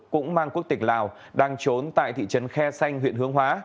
cũng mang quốc tịch lào đang trốn tại thị trấn khe xanh huyện hướng hóa